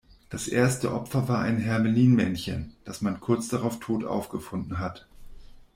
Das erste Opfer war ein Hermelin-Männchen, das man kurz drauf tot aufgefunden hat.